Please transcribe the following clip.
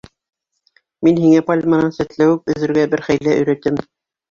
Мин һиңә пальманан сәтләүек өҙөргә бер хәйлә өйрәтәм.